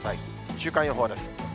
週間予報です。